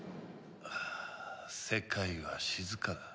世界は静かだ。